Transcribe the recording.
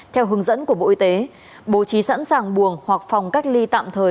theo hướng dẫn của bộ y tế bố trí sẵn sàng buồng hoặc phòng cách ly tạm thời